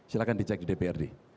silahkan dicek di dprd